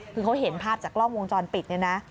คือเขาเห็นภาพจากกล้องวงจรปิดเนี่ยนะ